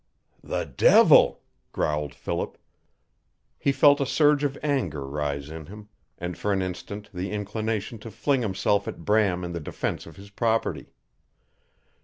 "The devil!" growled Philip. He felt a surge of anger rise in him, and for an instant the inclination to fling himself at Bram in the defense of his property.